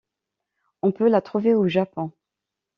On peut la trouver au Japon.